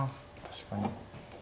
確かに。